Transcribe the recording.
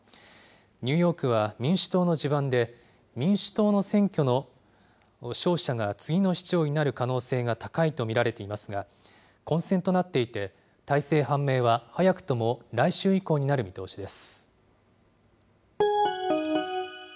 ニューヨークは民主党の地盤で、民主党の選挙の勝者が次の市長になる可能性が高いと見られていますが、混戦となっていて、大勢判明は早くとも来週以降になる見通しです。